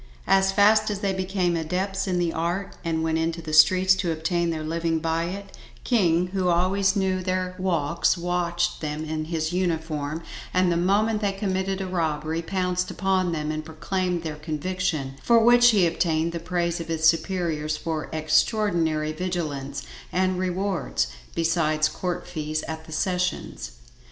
As fast as they became adepts in the art and went into the streets to obtain their living by it, King, who always knew their walks, watched them in his uniform, and the moment they committed a robbery, pounced upon them and procured their conviction, for which he obtained the praise of his superiors for extraordinary vigilance, and rewards, besides court fees at the sessions.